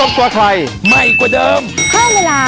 ไม่คือ